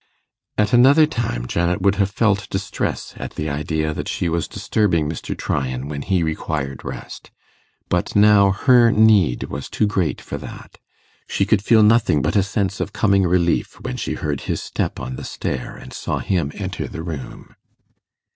At another time Janet would have felt distress at the idea that she was disturbing Mr. Tryan when he required rest; but now her need was too great for that: she could feel nothing but a sense of coming relief, when she heard his step on the stair and saw him enter the room.